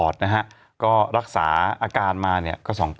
สีวิต้ากับคุณกรนิดหนึ่งดีกว่านะครับแฟนแห่เชียร์หลังเห็นภาพ